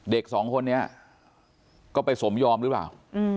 เด็กสองคนนี้ก็ไปสมยอมหรือเปล่า